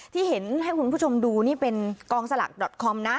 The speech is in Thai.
ที่เห็นให้คุณผู้ชมดูนี่เป็นกองสลักดอตคอมนะ